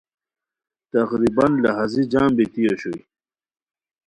تقریباً لہازی جم بیتی اوشوئے